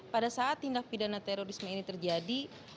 pada saat tindak pidana terorisme ini terjadi